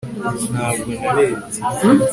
ntabwo narebye